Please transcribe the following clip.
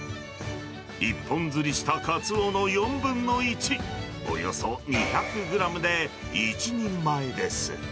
一本釣りしたカツオの４分の１、およそ２００グラムで１人前です。